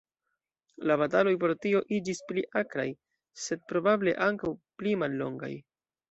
La bataloj pro tio iĝis pli akraj, sed probable ankaŭ pli mallongaj.